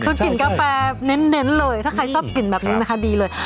คือกลิ่นกาแฟเน้นเลยถ้าใครชอบกลิ่นแบบนี้นะคะดีเลย